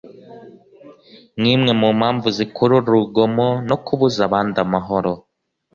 nk’imwe mu mpamvu zikurura urugomo no kubuza abandi amahoro